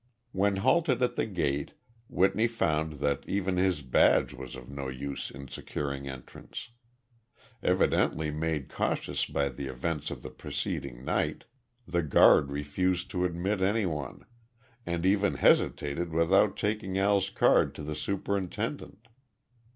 When halted at the gate, Whitney found that even his badge was of no use in securing entrance. Evidently made cautious by the events of the preceding night, the guard refused to admit anyone, and even hesitated about taking Al's card to the superintendent.